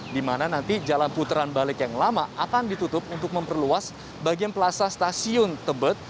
di mana nanti jalan putaran balik yang lama akan ditutup untuk memperluas bagian plaza stasiun tebet